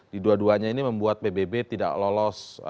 di dua duanya ini membuat pbb tidak lolos